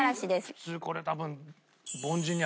普通これ多分。